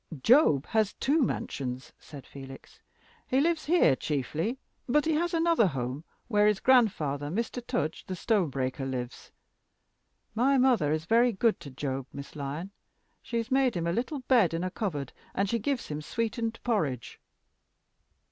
"Job has two mansions," said Felix. "He lives here chiefly; but he has another home, where his grandfather, Mr. Tudge, the stone breaker, lives. My mother is very good to Job, Miss Lyon. She has made him a little bed in a cupboard, and she gives him sweetened porridge."